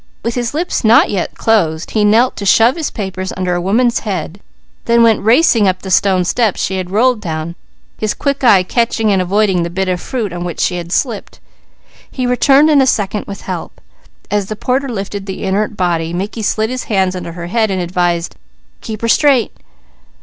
With his lips not yet closed, he knelt to shove his papers under a woman's head, then went racing up the stone steps she had rolled down, his quick eye catching and avoiding the bit of fruit on which she had slipped. He returned in a second with help. As the porter lifted the inert body, Mickey slid his hands under her head, and advised: "Keep her straight!"